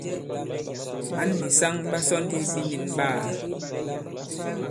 Mǎn nì saŋ ɓa sɔ ndi binīn ɓaā.